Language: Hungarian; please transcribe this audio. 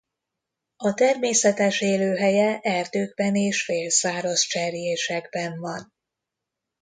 A természetes élőhelye erdőkben és félszáraz cserjésekben van.